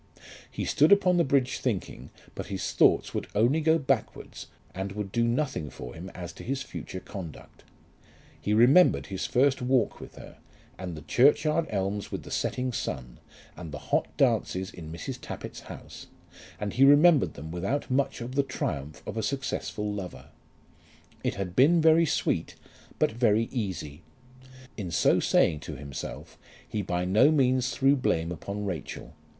He stood upon the bridge thinking, but his thoughts would only go backwards, and would do nothing for him as to his future conduct. He remembered his first walk with her, and the churchyard elms with the setting sun, and the hot dances in Mrs. Tappitt's house; and he remembered them without much of the triumph of a successful lover. It had been very sweet, but very easy. In so saying to himself he by no means threw blame upon Rachel.